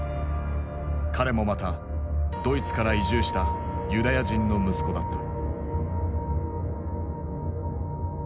彼もまたドイツから移住したユダヤ人の息子だった。